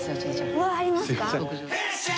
うわーありますか？